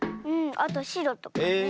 あとしろとかね。